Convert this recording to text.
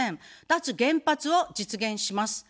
脱原発を実現します。